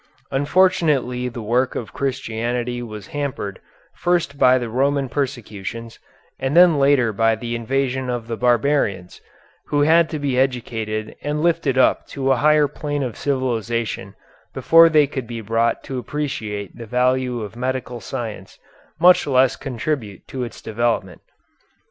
Unfortunately the work of Christianity was hampered, first by the Roman persecutions, and then later by the invasion of the barbarians, who had to be educated and lifted up to a higher plane of civilization before they could be brought to appreciate the value of medical science, much less contribute to its development.